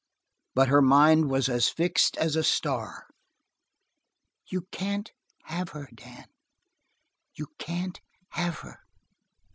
But her mind was as fixed as a star. "You can't have her, Dan. You can't have her!